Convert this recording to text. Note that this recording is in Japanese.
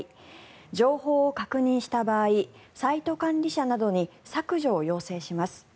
情報を確認した場合サイト管理者などに削除を要請します。